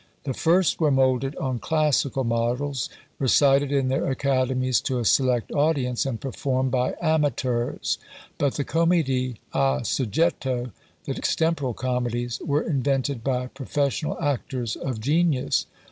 The first were moulded on classical models, recited in their academies to a select audience, and performed by amateurs; but the commedie a soggetto, the extemporal comedies, were invented by professional actors of genius.